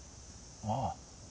ああ。